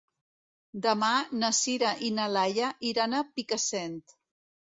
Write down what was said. Demà na Sira i na Laia iran a Picassent.